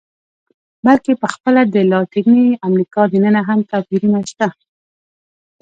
بلکې په خپله د لاتینې امریکا دننه هم توپیرونه شته.